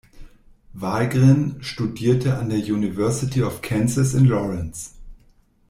Wahlgren studierte an der University of Kansas in Lawrence.